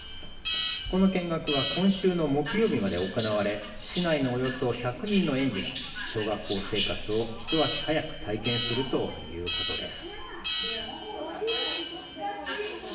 この見学は今週の木曜日まで行われ市内のおよそ１００人の園児が小学校生活を一足早く体験するということです。